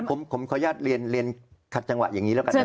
ผมขออนุญาตเรียนขัดจังหวะอย่างนี้แล้วกันนะครับ